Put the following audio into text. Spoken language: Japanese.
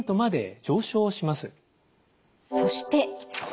そして。